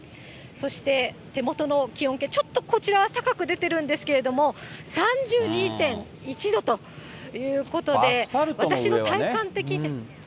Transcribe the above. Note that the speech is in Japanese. そして手元の気温計、ちょっとこちら、高く出ているんですけども、３２．１度ということで、私も体感的に。